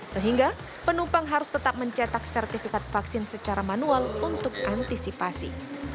sehingga penumpang harus tetap mencetak sertifikat vaksin secara manual untuk antisipasi